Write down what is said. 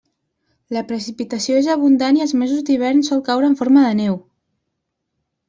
La precipitació és abundant i als mesos d'hivern sol caure en forma de neu.